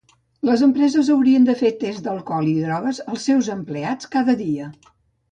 Les empreses haurien de fer tests alcohol i drogues als seus empleats cada dia